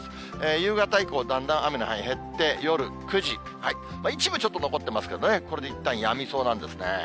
夕方以降、だんだん雨の範囲、減って、夜９時、一部ちょっと残っていますけれども、これでいったんやみそうなんですね。